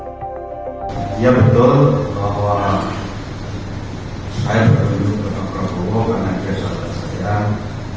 saya benar benar benar benar benar benar benar